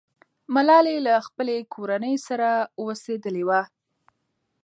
ملالۍ له خپلې کورنۍ سره اوسېدلې وه.